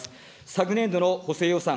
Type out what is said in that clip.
昨年度の補正予算